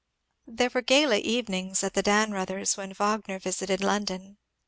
There were gala evenings at the Dannreuthers' when Wag ner visited London (1877).